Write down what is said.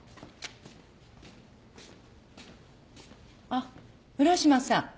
・あっ浦島さん。